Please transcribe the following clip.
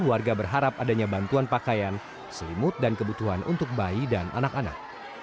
warga berharap adanya bantuan pakaian selimut dan kebutuhan untuk bayi dan anak anak